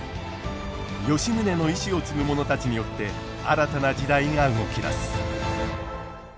吉宗の遺志を継ぐ者たちによって新たな時代が動き出す。